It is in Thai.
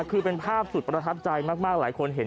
คือเป็นภาพสุดประทับใจมากหลายคนเห็น